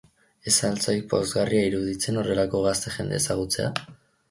Ez al zaik pozgarria iruditzen horrelako gazte jendea ezagutzea?